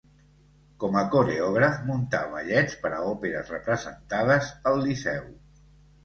Com a coreògraf, muntà ballets per a òperes representades al Liceu.